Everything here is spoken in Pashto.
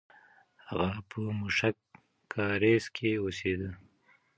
هغه په موشک کارېز کې اوسېده.